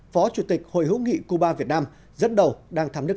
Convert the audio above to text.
phó chủ tịch hội hữu nghị giữa các dân tộc